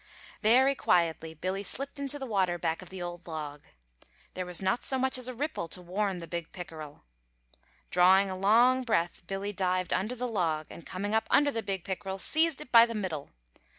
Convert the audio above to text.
Very quietly Billy slipped into the water back of the old log. There was not so much as a ripple to warn the big pickerel. Drawing a long breath, Billy dived under the log, and coming up under the big pickerel, seized it by the middle.